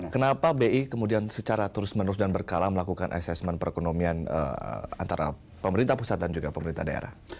kenapa bi kemudian secara terus menerus dan berkala melakukan asesmen perekonomian antara pemerintah pusat dan juga pemerintah daerah